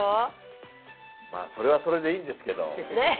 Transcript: まあそれはそれでいいんですけど。